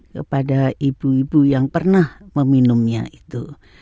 kepada ibu ibu yang pernah meminumnya itu